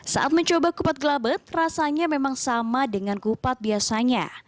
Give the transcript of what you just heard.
saat mencoba kupat gelabet rasanya memang sama dengan kupat biasanya